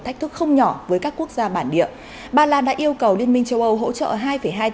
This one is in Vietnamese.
thách thức không nhỏ với các quốc gia bản địa ba lan đã yêu cầu liên minh châu âu hỗ trợ hai hai tỷ